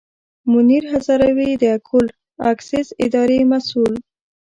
منیر هزاروي د اکول اکسیس اداري مسوول.